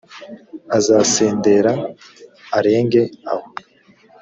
azasendera arenge aho